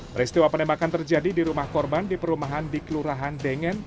peristiwa penembakan terjadi di rumah korban di perumahan di kelurahan dengen